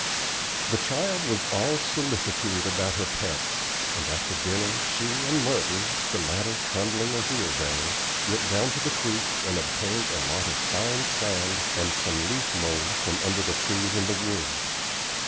The child was all solicitude about her pets, and after dinner she and Merton, the latter trundling a wheelbarrow, went down to the creek and obtained a lot of fine sand and some leaf mould from under the trees in the woods.